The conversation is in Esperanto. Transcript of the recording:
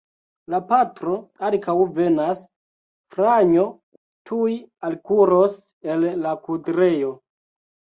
La patro ankaŭ venas, Franjo tuj alkuros el la kudrejo.